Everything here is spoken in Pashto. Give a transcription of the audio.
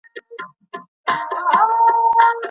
ماشومان له لوبو نه منع کېږي.